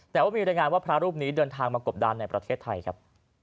แต่ว่ามีรายงานว่าพระรูปนี้เดินทางมากบดานในประเทศไทยครับ